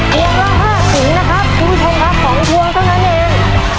วงละ๕ถุงนะครับคุณผู้ชมครับ๒พวงเท่านั้นเอง